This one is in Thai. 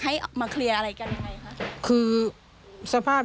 สวัสดีครับ